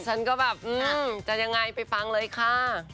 ฉันก็แบบจะยังไงไปฟังเลยค่ะ